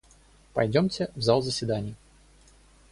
Пойдемте в зал заседаний.